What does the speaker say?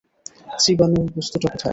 চিবানোর বস্তুটা কোথায়?